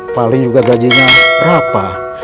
paling juga gajinya rapah